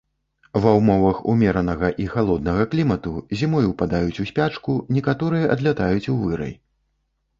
Ва ўмовах умеранага і халоднага клімату зімой упадаюць у спячку, некаторыя адлятаюць у вырай.